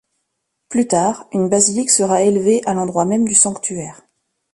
Plus tard, une basilique sera élevée à l’endroit même du sanctuaire.